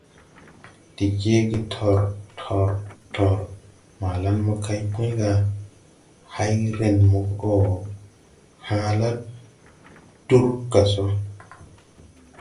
De jeege tor! Tor! Tor! Malan mokay Puy ga: « Hay! Ren mo hãʼ la dur ga so!